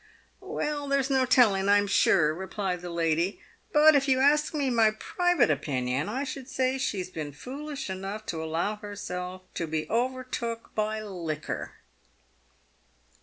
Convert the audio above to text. " Well, there's no telling, I'm sure," replied the lady ;" but, if you ask me my private opinion, I should say she's been foolish enough to allow herself to be overtook by liquor."